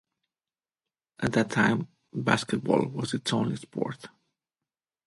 At that time, basketball was its only sport.